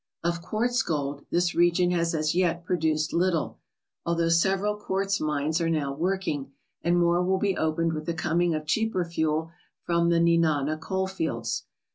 Of quartz gold, this region has as yet produced little, although several quartz mines are now working, and more will be opened with the coming of cheaper fuel from the Nenana coalfields.